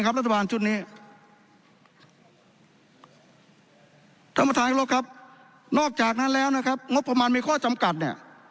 ครับนอกจากนั้นแล้วนะครับงบประมาณมีข้อจำกัดเนี้ย